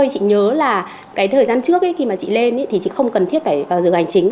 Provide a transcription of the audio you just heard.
ba mươi chị nhớ là cái thời gian trước khi mà chị lên thì chị không cần thiết phải vào giờ hành chính